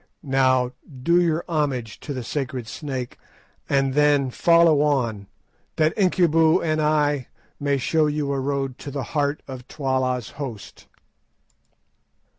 Now do your homage to the sacred Snake, and then follow on, that Incubu and I may show you a road to the heart of Twala's host."